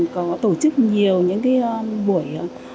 có tổ chức nhiều những cái buổi